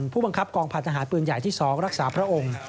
ผู้บังคับกองพันธหารปืนใหญ่ที่๒รักษาพระองค์